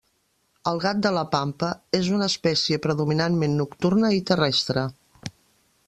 El gat de la pampa és una espècie predominantment nocturna i terrestre.